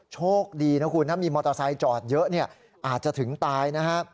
โชคดีนะคุณถ้ามีมอเตอร์ไซค์จอดเยอะเนี่ยอาจจะถึงตายนะฮะ